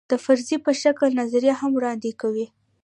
د فرضیې په شکل نظریه هم وړاندې کوي.